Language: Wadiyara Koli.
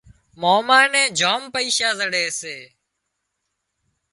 ماما نين جام پئيشا زڙي سي